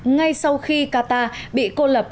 ngay sau khi qatar bị cô lập